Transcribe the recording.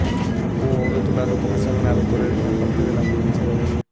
Por otro lado comenzaron a recorrer gran parte de la provincia de Bs.